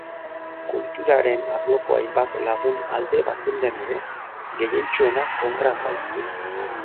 Kulturaren arloko hainbat lagun alde bazeuden ere, gehientsuenak kontra azaldu ziren.